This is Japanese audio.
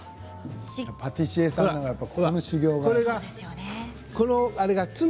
パティシエさんはこの修業がね。